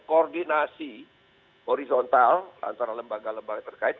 koordinasi horizontal antara lembaga lembaga terkait